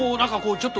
ちょっと。